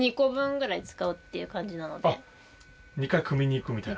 ２回くみに行くみたいな。